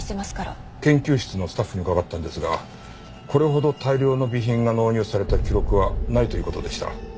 研究室のスタッフに伺ったんですがこれほど大量の備品が納入された記録はないという事でした。